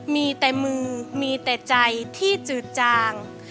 มีแต่มือมีแต่ใจที่จืดจาง